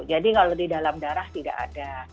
jadi kalau di dalam darah tidak ada